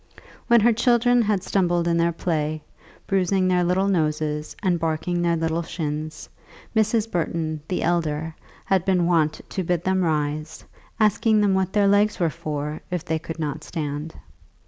When her children had stumbled in their play, bruising their little noses, and barking their little shins, Mrs. Burton, the elder, had been wont to bid them rise, asking them what their legs were for, if they could not stand.